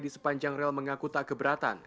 di sepanjang rel mengaku tak keberatan